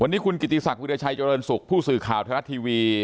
วันนี้คุณกิติศักดิราชัยเจริญสุขผู้สื่อข่าวไทยรัฐทีวี